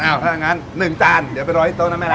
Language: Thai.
อ้าวถ้าอย่างนั้น๑จานเดี๋ยวไปรอให้โต๊ะนะแม่ล่ะ